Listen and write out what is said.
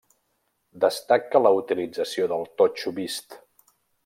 Destaca la utilització del totxo vist.